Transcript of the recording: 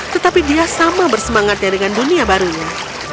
tetapi dia sama bersemangatnya dengan dunia barunya